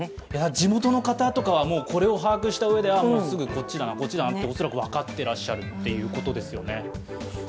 地元の方は、これを把握したうえでもう、すぐこっちだな、こっちだなと恐らく分かっていらっしゃるということですよね。